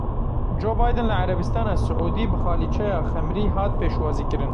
Joe Biden li ErebistanaSiûdî bi xalîçeya xemrî hat pêşwazîkirin.